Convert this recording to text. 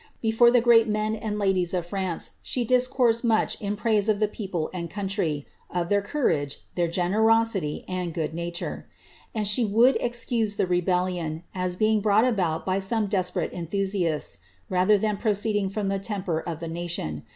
Before the great men and ladies of France, she discounted much in praise of the people and country — of their courage, their generosity^ and good nature ; and she would excuie the rebellion, as being brought about by some desperate enthusiBitBi rather than proceeding from the temper of the nation.